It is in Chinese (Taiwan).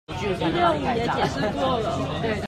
一六五也解釋過了